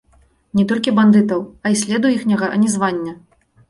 Не толькі бандытаў, а й следу іхняга ані звання.